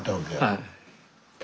はい。